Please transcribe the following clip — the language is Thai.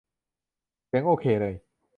เสียงโอเคเลย